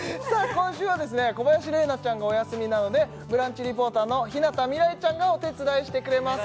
今週は小林麗菜ちゃんがお休みなのでブランチリポーターの日向未来ちゃんがお手伝いしてくれます